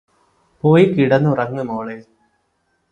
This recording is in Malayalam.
പോയി കിടന്നുറങ്ങ് മോളേ